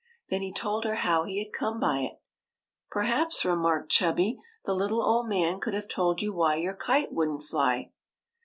Then he told her how he had come by it. " Perhaps," remarked Chubby, '' the little old man could have told you why your kite wouldn't fly."